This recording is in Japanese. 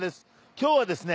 今日はですね